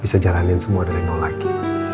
bisa jalanin semua dari nol lagi